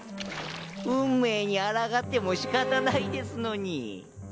運命にあらがっても仕方ないですのに。